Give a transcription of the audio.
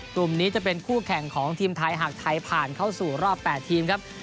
กลุ่มนี้จะเป็นคู่แข่งของทีมไทยหากไทยผ่านเข้าสู่รอบ๘ทีมครับ